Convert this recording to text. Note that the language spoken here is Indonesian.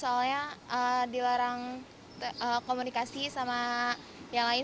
soalnya dilarang komunikasi sama yang lain